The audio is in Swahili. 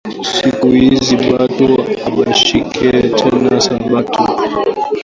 Siku izi batu abashiki tena sabato